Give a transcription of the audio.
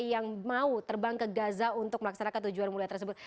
yang mau terbang ke gaza untuk melaksanakan tujuan mulia tersebut